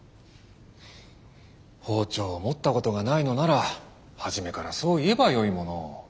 包丁を持ったことがないのなら初めからそう言えばよいものを。